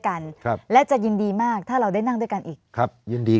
กันครับและจะยินดีมากถ้าเราได้นั่งด้วยกันอีกครับยินดี